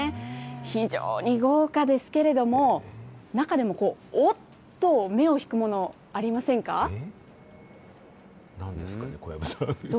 非常に豪華ですけれども、中でもおっと目を引くもの、ありませんなんですかね、小籔さん。